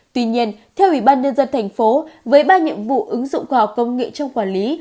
tuy nhiên theo ủy ban nhân dân thành phố với ba nhiệm vụ ứng dụng khoa học công nghệ trong quản lý